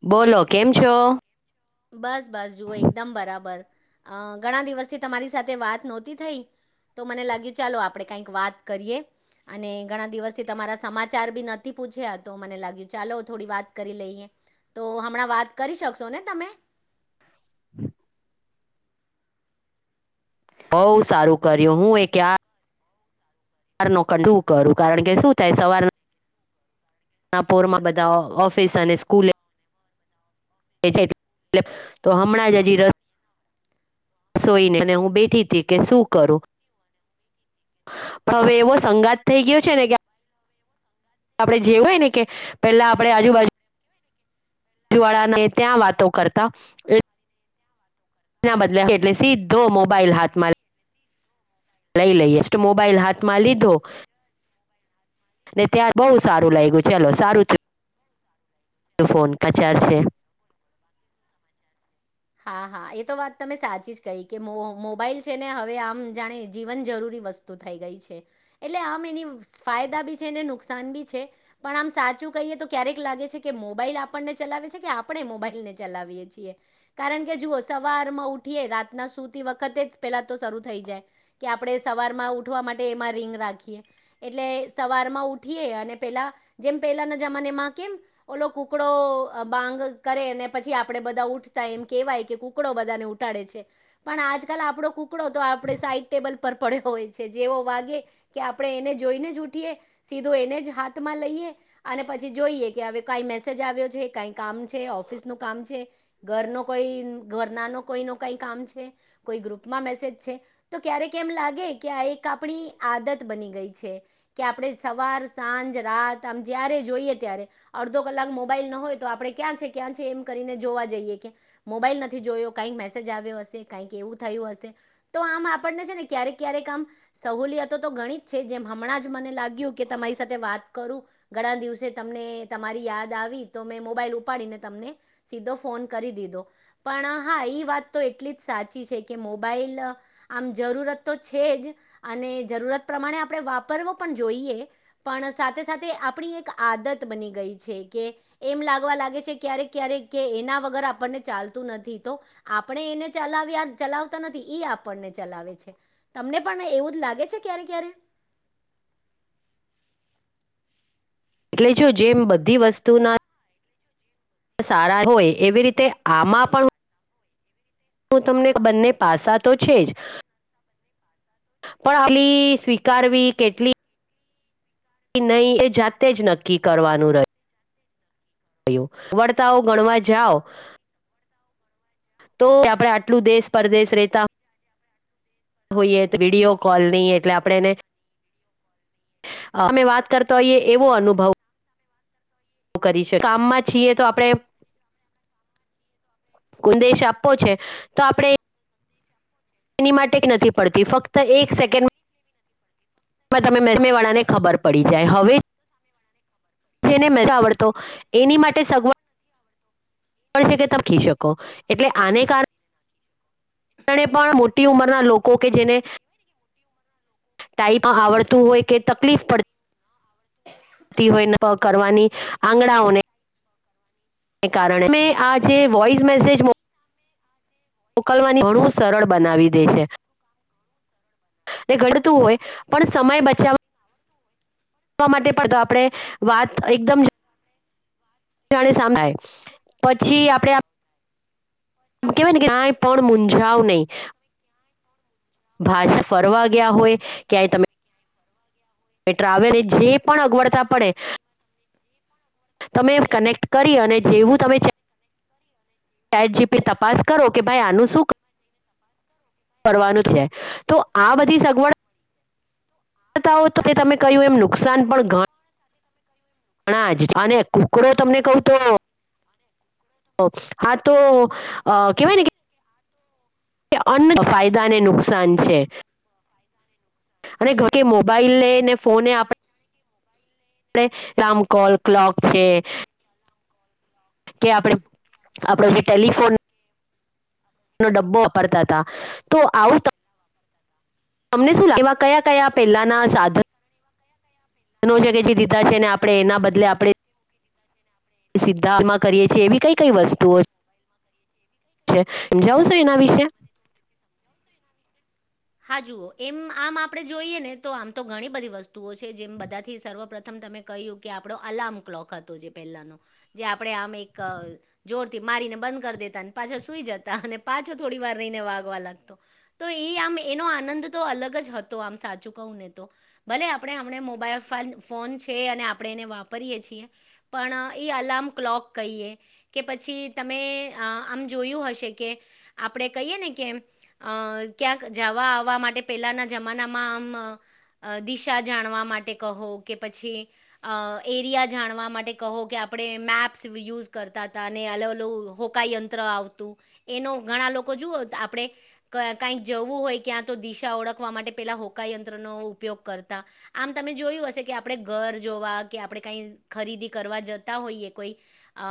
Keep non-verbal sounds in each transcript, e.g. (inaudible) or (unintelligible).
બોલો કેમ છો. બસ બસ જુઓ એકદમ બરાબર અ ઘણા દિવસથી તમારી સાથે વાત નોતી થઈ. તો મને લાગ્યું ચાલો આપણે કઈક વાત કરીએ. અને ઘણા દિવસથી તમારા સમાચાર બી નથી પૂછ્યા તો મને લાગ્યું ચાલો થોડી વાત કરી લઈએ. તો હમણાં વાત કરી શકશો ને તમે. બહું સારું કર્યું હું એ. નો (unintelligible) કરું કારણ કે શું થાય સવાર. ના પોર માં બધા ઓફિસ અને સ્કૂલે તો હમણાં જ હજી સોઈને અને હું બેઠી હતી કે શું કરું. હવે એવો સંગાત થઈ ગયો છે ને કે આપડે જેવું હોય ને કે પેલા આપડે આજુબાજુ વાળા ને ત્યાં વાતો કરતા બદલા એટલે સીધો મોબાઈલ હાથમાં લ લઈ લઈ એસ્ટ્ટ મોબાઈલ હાથમાં લીધો. ને ત્યાાર બહુ સારું લાગ્યું ચલો સારું. તો ફોન કા ચાર્જ છે. હા હા એ તો વાત તમે સાચી જ કહી કે મો મોબાઈલ છે ને હવે આમ જાણે જીવન જરૂરી વસ્તુ. થઈ ગઈ છે એટલે આમ એની ફાયદા બી છે ને નુકસાન બી છે. પણ આમ સાચું કહીએ તો ક્યારેક લાગે છે કે મોબાઈલ આપણને ચલાવે છે કે આપણે મોબાઈલને ચલાવીએ છીએ. કારણ કે જુઓ સવારમાં ઉઠીએ રાતના સુતી વખતે જ પેલા તો શરૂ થઈ જાય. કે આપણે સવાર માં ઉઠવા માટે એમાં રીંગ રાખીએ. એટલે સવારમાં ઉઠીએ અને પેલા જેમ પેલાના જમાનેમાં કેમ ઓલો કુકડો બાંગ કરે ને પછી આપડે બધા ઉઠ એમ કહેવાય કે કુકડો બધાને ઉટાડે છે. પણ આજકાલ આપણો કુકડો તો આપણે સાઈડ ટેબલ પર પડ્યો હોય છે જેવો વાગે કે આપણે એને જોઈને જ ઉઠીએ સીધો એને જ હાથમાં લઈએ. અને પછી જોઈએ કે હવે કઈ મેસેજ આવ્યો છે કઈ કામ છે ઓફિસ નું કામ છે. ઘરનો કોઈ ઘરના ન કોઈ ન કઈ કામ છે કોઈ ગ્રુપમાં મેસેજ છે. તો ક્યારેક એમ લાગે કે આ એક આપણી આદત બની ગઈ છે. કે આપણે સવાર સાંજ રાત આમ જ્યારે જોઈએ ત્યારે. અડધો કલાક મોબાઈલ ન હોય તો આપડણે ક્યાં છે ક્યાં છે એમ કરીને જોવા જઈએ. મોબાઈલ નથી જોયો કઈક મેસેજ આવ્યો હશે કઈક એવું થયું હશે. તો આમ આપણને છે ને ક્યારેક ક્યારેક આમ સહોલિયતો ગણી છે જેમ હમણાં જ મને લાગ્યું કે તમારી સાથે વાત કરું. ઘણા દિવસે તમને તમારી યાદ આવી તો મેં મોબાઈલ ઉપાડીને તમને સીધો ફોન કરી દીધો પણ હા એ વાત તો એટલી જ સાચી છે કે મોબાઈલ આમ જરૂરત તો છે, જ અને જરૂરત પ્રમાણે આપણે વાપરવો પણ જોઈએ. પણ સાથે સાથે આપણી એક આદત બની ગઈ છે કે એમ લાગવા લાગે છે ક્યારેક ક્યારેક કે એના વગર આપણને ચાલતું નથી તો આપણે એને ચલાવ્યા ચલાવતા નથી આપણને ચલાવે છે. તમને પણ એવું જ લાગે છે ક્યારે ક્યારે? એટલે જો જેમ બધી વસ્તુ ના સારા હોય એવી રીતે આમાં પણ તમને બંને પાસા તો છે જ પણ સ્વીકારવી કેટલી નહી એ જાતે જ નક્કી કરવાનું રહ્યું. વડતાઓ ગણવા જાઓ તો આપણે આટલું દેશ પરદેશ રહેતા હોઈએ તો વિડીયો કોલ નહી એટલે આપણે એને અમે વાત કરતા હોઈએ એવો અનુભવ કરીશ કામમાં છીએ તો આપણે સંદેશ આપવો છે તો આપણે એની માટે નથી પડતી ફક્ત એક સેકન્ડ તમે મહેસમે વાળા ને ખબર પડી જાય હવે જેને નથી આવડતો એની માટે સગવડ કે શીખી શકો એટલે આને કારણે પણ મોટી ઉંમરના લોકો કે જેને ટાઈપ આવડતું હોય કે તકલીફ પડતી હોયને કરવાની આંગળાઓને કારણે અમે આ જે વોઇસ મેસેજ ઉકેલવાની ઘણું સરળ બનાવી દે છે એ ઘટતું હોય પણ સમય બચાવ માટે પણ તો આપણે વાત એકદમ જાણી શકાય પછી આપડે કેવાય ને કે કાંય પણ મૂંજાવ નહી. ભાષા ફરવા ગયા હોય ક્યાંય તમે ટ્રાવેલ જે પણ અગવડતા પડે તમે કનેક્ટ કરી અને જેવું તમે ચેટ જીટીપી તપાસ કરો કે ભાઈ આનું શું? કરવાનું છે તો આ બધી સગવડ હોય તો કે તમે કહ્યું એમ નુકસાન પણ ઘણા જ અને કુકડો તમને કહું તો ઓ હા તો કહેવાય ને કે કે અન્ન ફાયદા ને નુકસાન છે અને ઘણી મોબાઈલ ને ફોન આપણે આપડે રામકોલ ક્લોક કે કે આપણે આપડો જે ટેલિફોન નો ડબ્બો વાપરતા હતા તો આવું તમને શું લાગે એમાં કયા કયા પેલાના સાધન જે દીધા છે ને આપણે એના બદલે આપણે સીધા આમાં કરીએ છીએ એવી કઈ કઈ વસ્તુઓ સમજાવશો એના વિશે હા જુઓ એમ આમ આપણે જોઈએ ને તો આમ તો ઘણી બધી વસ્તુઓ છે જેમ બધાથી સર્વપ્રથમ તમે કહ્યું કે આપણો અલાર્મ ક્લોક હતો જે પહેલાનો જે આપણે આમ એક જોરથી મારીને બંધ કરી દેતા અને પાછા સુઈ જતા અને પાછો થોડી વાર રહીને વાગવા લાગતો. તો એ આમ એનો આનંદ તો અલગ જ હતો આમ સાચું કહું ને તો ભલે આપણે હમણે મોબાઈલ ફોન છે અને આપણે એને વાપરીએ છીએ. પણ એ અલાર્મ ક્લોક કહીએ કે પછી તમે આમ જોયું હશે કે આપણે કહીએ ને કે અ ક્યાંક જવા આવવા માટે પેલાના જમાનામાં આમ દિશા જાણવા માટે કહો કે પછી અ એરિયા જાણવા માટે કહો કે આપણે મેપ્સ યુઝ કરતા હતા અને ઓલુ હોકાયંત્ર આવતુ એનો ઘણા લોકો જો આપણે જવું હોય ક્યાં તો દિશા ઓળખવા માટે પેલા હોકાયંત્રનો ઉપયોગ કરતા આમ તમે જોયું હશે કે આપણે ઘર જોવા કે આપણે કઈ ખરીદી કરવા જતા હોઈએ કોઈ અ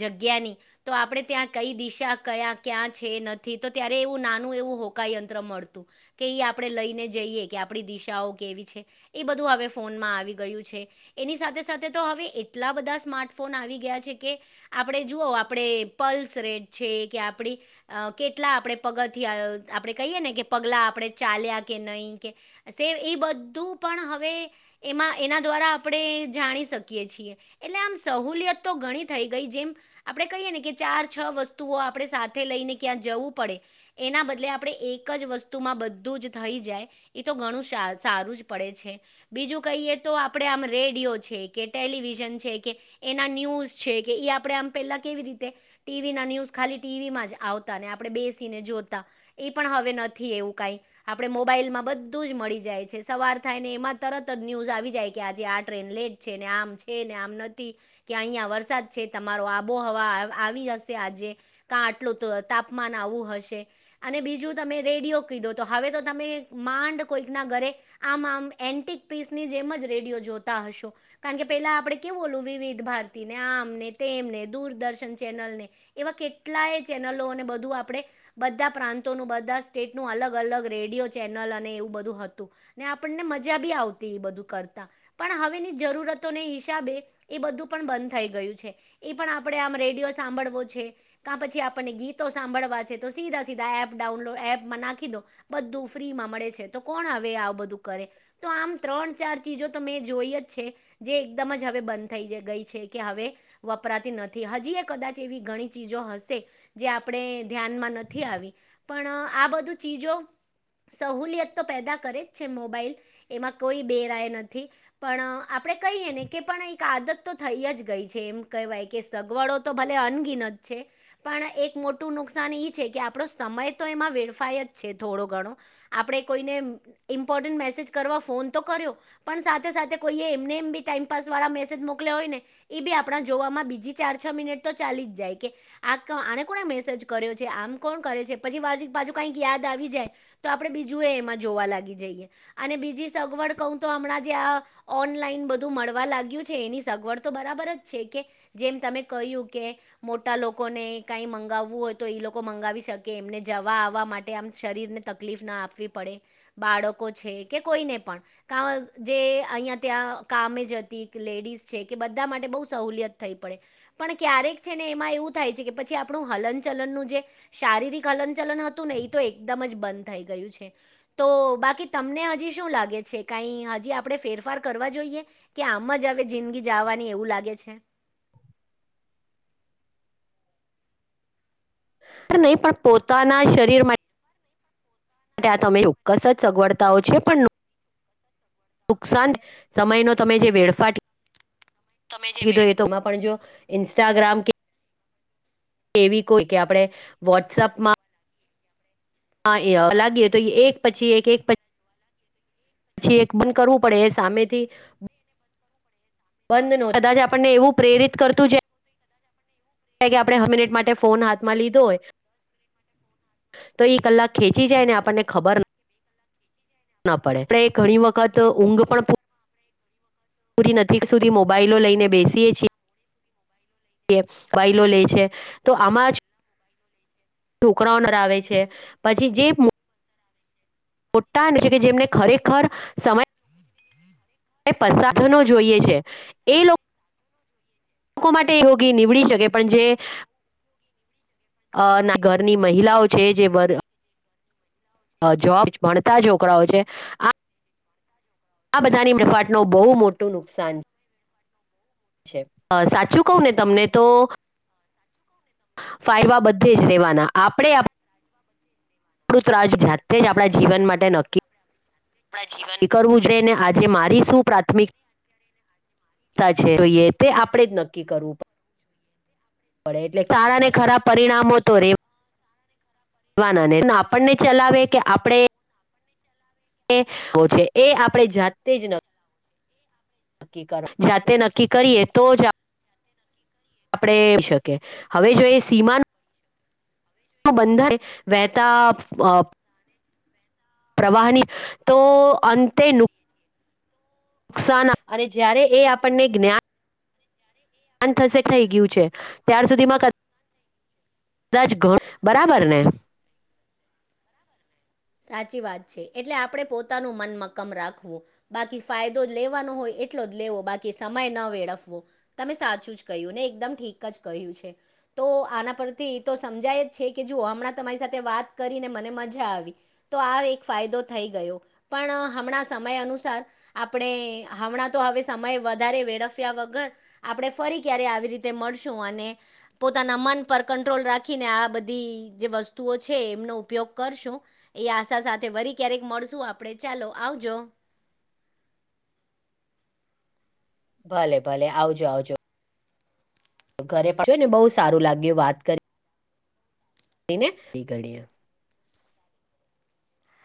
જગ્યાની તો આપણે ત્યાં કઈ દિશા કયા ક્યાં છે નથી તો ત્યારે એવું નાનું એવું હો... કાયંત્ર મળતું કે એ આપણે લઈને જઈએ કે આપણી દિશાઓ કેવી છે એ બધું હવે ફોનમાં આવી ગયું છે એની સાથે સાથે તો હવે એટલા બધા સ્માર્ટફોન આવી ગયા છે કે આપણે જુઓ આપણે પલ્સ રેટ છે કે આપડી અ કેટલા આપણે પગલાથી આપણે કહીએ ને કે પગલા આપણે ચાલ્યા કે નહીં કે સેવ એ બધું પણ હવે એમાં એના દ્વારા આપણે જાણી શકીએ છીએ એટલે આમ સહુલિયત તો ઘણી થઈ ગઈ જેમ આપણે કહીએ ને કે ચાર છ વસ્તુઓ આપણે સાથે લઈને ક્યાં જવું પડે એના બદલે આપણે આપણે એક જ વસ્તુમાં બધું જ થઈ જાય એ તો ઘણું સારું જ પડે છે બીજું કહીએ તો આપડે આમ રેડિયો છે કે ટેલિવિઝન છે કે એના ન્યૂઝ છે કે એ આપણે આમ પેલા કેવી રીતે ટીવી ના ન્યૂઝ ખાલી ટીવીમાં જ આવતા ને આપણે બેસીને જોતા એ પણ હવે નથી એવું કાંઈ આપડણે મોબાઈલમાં બધું જ મળી જાય છે સવાર થાય ને એમાં તરત જ ન્યૂઝ આવી જાય કે આજે આ ટ્રેન લેટ છે ને આમ છે ને આમ નથી કે અહીિયાંયા વરસાદ છે તમારો આબોહવા આવી હશે આજે કા આટલું તાપમાન આવું હશે અને બીજું તમે રેડિયો કીધો તો હવે તો તમે માંડ કોઈકના ઘરે આમ આમ એન્ટિક પીસની જેમ જ રેડિયો જોતા હશો કારણ કે પેલા આપણે કે બોલું વિવિધ ભારતીને આમને તેમને દૂરદર્શન ચેનલને એવા કેટલાય ચેનલોને બધું આપણે બધા પ્રાંતોનું બધા સ્ટેટનું અલગ અલગ રેડિયો ચેનલ અને એવું બધું હતું ને આપણને મજા બી આવતી એ બધું કરતા પણ હવેની જરૂરતોને હિસાબે એ બધું પણ બંધ થઈ ગયું છે એ પણ આપણે આમ રેડિયો સાંભળવો છે ક પછી આપણને ગીતો સાંભળવા છે તો સીધા ધા એપ ડાઉનલોડ એપમાં નાખી દો બધું ફ્રી માં મળે છે તો કોણ હવે આવ બધું કરે તો આમ ત્રણ ચાર ચીજો તો મેં જોઈ જ છે જે એકદમ જ હવે બંધ થઈ ગઈ છે કે હવે વપરાતી નથી હજી એ કદાચ એવી ઘણી ચીજો હશે જે આપણે ધ્યાનમાં નથી થી આવી પણ આ બધું ચીજો સહુલિયત તો પેદા કરે જ છે મોબાઈલ એમાં કોઈ બેરાય નથી પણ આપડણે કહીએ ને કે પણ એક આદત તો થઈ જ ગઈ છે એમ કહેવાય કે સગવડો તો ભલે અનગીન જ છે પણ એક મોટું નુકસાન ઈ કે આપણો સમય તો એમાં વેડફાય જ છે થોડો ઘણો આપણે કોઈને ઇમ્પોર્ટન્ટ મેસેજ કરવા ફોન તો કર્યો પણ સાથે સાથે કોઈએ એમને એમ બી ટાઈમપાસ વાળા મેસેજ મોકલ્યા હોય ને એ બી આપણા જોવામાં બીજી ચાર છ મિનિટ તો ચાલી જ જાય કે આ આણે કોણે મેસેજ કર્યો છે જે આમ કોણ કરે છે પછી બાજુ કઈક યાદ આવી જાય તો આપણે બીજું એ એમાં જોવા લાગી જઈએ અને બીજી સગવડ કહ તો હમણાં જે આ ઓનલાઈન બધું મળવા લાગ્યું છે એની સગવડ તો બરાબર જ છે કે જેમ તમે કહ્યું કે મોટા લોકોને કઈ મંગાવવું હોય તો એ લોકો મંગાવી શકે એમને જવા આવવા માટે આમ શરીરને તકલીફ ના આપવી પડે બાળકો છે કે કોઈને પણ ક જે અહીિયાં ત્યાં કામે જ હતી કે લેડીસ છે કે બધા માટે બહુ સહુલિયત થઈ પડે પણ ક્યારેક છે ને એમાં એવું થાય છે કે પછી આપણું હલન ચલનનું જે શારીરિક હલન ચલન હતું ને એ તો એકદમ જ બંધ થઈ ગયું છે તો બાકી તમને હજી શું લાગે છે કાંઈ હજી આપણે ફેરફાર કરવા જોઈએ કે આમ જ હવે જિંદગી જવાની એવું લાગે છે નહીં પણ પોતાના શરીર માટે માટે આ તમે ચોક્કસ જ સગવડતા હો છે પણ નુકસાન સમય નો તમે જે વેડફાટ ીધો તોમાં પણ જો ઇન્સ્ટાગ્રામ કે કેવી કોઈ કે આપણે વોટ્સઅપમાં હા, એ (inaudible) લાગી તો એક પછી એક એક પછી પછી એક બંધ કરવું પડે એ સામેથી બંધ (inaudible) નો કદાચ આપણને એવું પ્રેરિત કરતું છે. કે આપણે હ મિનિટ માટે ફોન હાથમાં લીધો હોય તો ઈ કલાક ખેંચી જાય ને આપણને ખબર નથી, ના પડે પણ એ ઘણી વખત ઊંઘ પણ પૂરી નક સુધી મોબાઈલો લઈને બેસીએ છીએ, (inaudible) વાઈલો લે છે, તો આમાં છોકરાઓનેરા આવે છે પછી જે મોટાનું છે કે જેમને ખરેખર સમય (unintelligible) પસાથનો જોઈએ છે એ લોકો લોકો માટે હોગી નીવડી શકે પણ જે અ ના ઘરની મહિલાઓ છે, જે જોબ ભણતા છોકરાઓ છે. આ બધા ની મફાટ ન બહુ મોટું નુકસાન સાચું કહું ને તમને તો ફાયવા બધે જ રેવાના આપડે આપડું તજ જાતે જ આપણા જીવન માટે નક્કી આપણા જીવન ક ગુજરેને આજે મારી શું પ્રાથમિક જોઈએ તે આપણેે જ નક્કી કરવું પડ પડે એટલે સારા ને ખરાબ પરિણામો તો રે (inaudible) ના ને આપણને ચલાવે કે આપડે (inaudible) એ આપણે જાતે જ નથી. જાતે નક્કી કરીે તો આપડે એમ શકીએ હવે જો એ સીમાનું બંધા વહેતા પ્રવાહની તો અંતે નુકસાન અને જયારે એ આપણને જ્ઞાન થશે થઈ ગયું છે, તારે સુધીમાં કદાચ બરાબર ને સાચી વાત છે, એટલે આપણેે પોતાનું મન મક્કમ રાખવું. બાકી ફાયદો જ લેવાનો હોય એટલો જ લેવો બાકી સમય ન વેળફવો તમે સાચું જ કહ્યું ને એકદમ ઠીક જ કહ્યું છે. તો આના પરથી તો સમજાય જ છે, કે જુઓ હમણાં તમારી સાથે વાત કરીને મને મજા આવી. તો આ એક ફાયદો થઈ ગયો પણ હમણાં સમય અનુસાર આપણે હમણાં તો હવે સમય વધારે વેડફ્યા વગર આપણે ફરી ક્યારે આવી રીતે મળશું, અને પોતાના મન પર કંટ્રોલ રાખીને આ બધી જે વસ્તુઓ છે, એમનો ઉપયોગ કરશું એ આશા સાથે વરી ક્યારેક મળશું આપણે ચાલો આવજો. ભલે ભલે આવજો આવજો. ઘરે પાડ્યો ને બહુ સારું લાગ્યું વાત કરી, (inaudible) ઘડીએ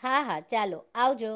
હા હા ચાલો આવજો.